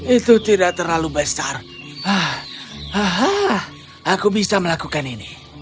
itu tidak terlalu besar aku bisa melakukan ini